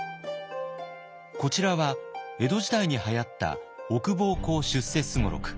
こちらは江戸時代にはやった「奥奉公出世雙六」。